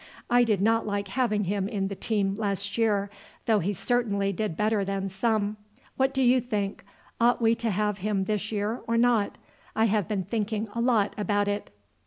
I did not like having him in the team last year, though he certainly did better than some. What do you think? Ought we to have him this year or not? I have been thinking a lot about it."